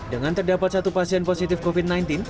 dengan terdapat satu pasien positif covid sembilan belas